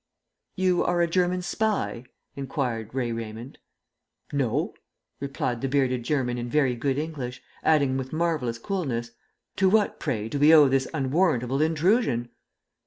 "You are a German spy?" enquired Ray Raymond. "No," replied the bearded German in very good English, adding with marvellous coolness: "To what, pray, do we owe this unwarrantable intrusion?"